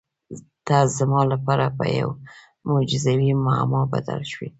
ته زما لپاره په یوې معجزوي معما بدل شوې.